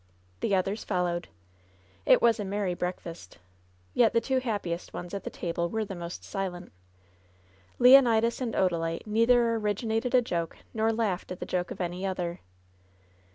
The others followed. It was a merry breakfast. Yet the two happiest ones at the table were the most silent Leonidas and Odalite neither originated a joke nor laughed at the joke of any other.